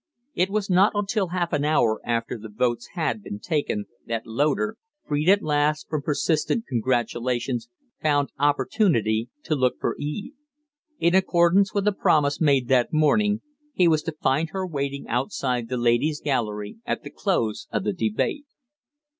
It was not until half an hour after the votes had, been taken that Loder, freed at last from persistent congratulations, found opportunity to look for Eve. In accordance with a promise made that morning, he was to find her waiting outside the Ladies' Gallery at the close of the debate.